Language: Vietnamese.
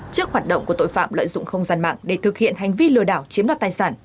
trước hoạt động của tội phạm lợi dụng không gian mạng để thực hiện hành vi lừa đảo chiếm đoạt tài sản